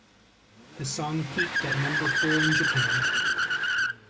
The song peaked at number four in Japan.